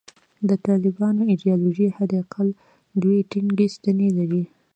د طالبانو ایدیالوژي حد اقل دوې ټینګې ستنې لري.